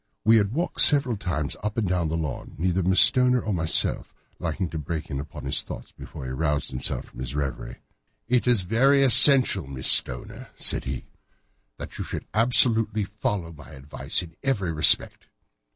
We had walked several times up and down the lawn, neither Miss Stoner nor myself liking to break in upon his thoughts before he roused himself from his reverie. "It is very essential, Miss Stoner," said he, "that you should absolutely follow my advice in every respect."